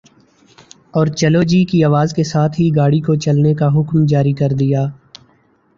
اور چلو جی کی آواز کے ساتھ ہی گاڑی کو چلنے کا حکم جاری کر دیا